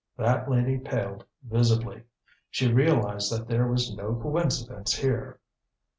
That lady paled visibly. She realized that there was no coincidence here.